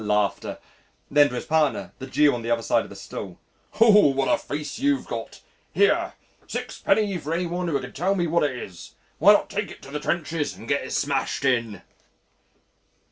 Then to his partner, the Jew on the other side of the stall, "Oh! what a face you've got. Here! 6d. for any one who can tell me what it is. Why not take it to the trenches and get it smashed in?"